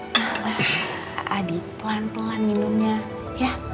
salah adi pelan pelan minumnya ya